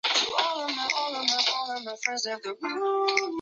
附近的大都市有考文垂和伯明翰。